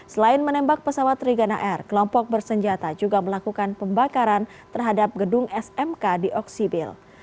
selain menembak pesawat trigana air kelompok bersenjata juga melakukan pembakaran terhadap gedung smk di oksibil